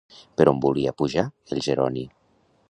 Per on volia pujar el Jeroni?